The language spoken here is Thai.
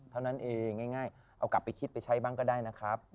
เท่านั้นเองง่ายเอากลับไปคิดไปใช้บ้างก็ได้นะครับ